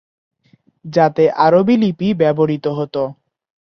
যাতে আরবি লিপি ব্যবহৃত হতো।